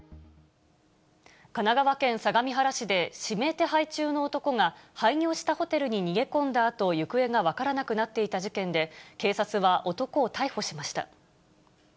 神奈川県相模原市で、指名手配中の男が、廃業したホテルに逃げ込んだあと、行方が分からなくなっていた事件で、警察は男を逮捕しました。